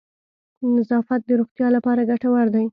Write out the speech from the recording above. نظافت د روغتیا لپاره گټور دی.